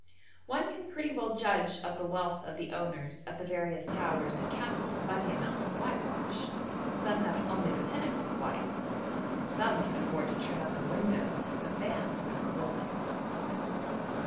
One can pretty well judge of the wealth of the owners of the various towers and castles by the amount of whitewash. Some have only the pinnacles white, and some can afford to trim up the windows and put bands round the building.